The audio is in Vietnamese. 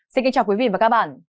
xin kính chào quý vị và các bạn